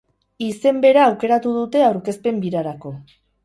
Izen bera aukeratu dute aurkezpen birarako.